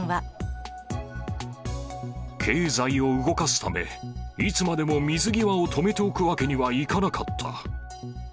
経済を動かすため、いつまでも水際を止めておくわけにはいかなかった。